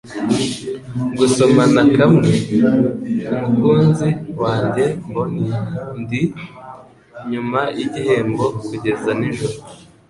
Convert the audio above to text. Gusomana kamwe, mukunzi wanjye bonny, Ndi nyuma yigihembo kugeza nijoro,